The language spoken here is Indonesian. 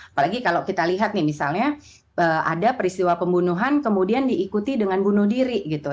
apalagi kalau kita lihat nih misalnya ada peristiwa pembunuhan kemudian diikuti dengan bunuh diri gitu